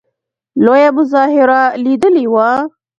لویه مظاهره لیدلې وه.